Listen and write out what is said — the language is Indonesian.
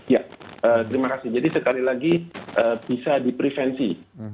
ya terima kasih jadi sekali lagi bisa diprevensi